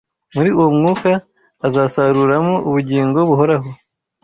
muri uwo Mwuka azasaruramo ubugingo buhoraho